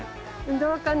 どうかな？